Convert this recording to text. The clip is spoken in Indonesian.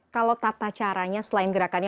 kalau tata caranya selain gerakannya